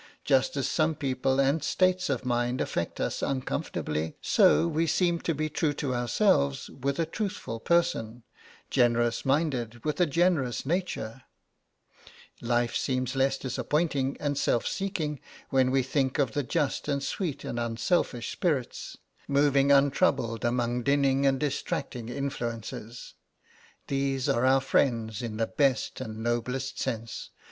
Just as some people and states of mind affect us uncomfortably, so we seem to be true to ourselves with a truthful person, generous minded with a generous nature; life seems less disappointing and self seeking when we think of the just and sweet and unselfish spirits, moving untroubled among dinning and distracting influences. These are our friends in the best and noblest sense.